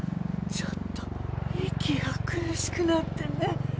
ちょっと息が苦しくなってね。